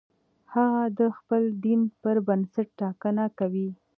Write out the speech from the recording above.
هغه د خپل دین پر بنسټ ټاکنه کوي.